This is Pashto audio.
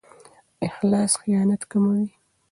اخلاص خیانت کموي.